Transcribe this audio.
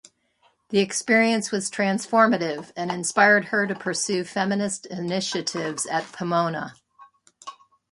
The experience was transformative and inspired her to pursue feminist initiatives at Pomona.